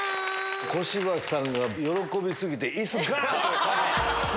小芝さんが喜び過ぎて椅子ガン！って。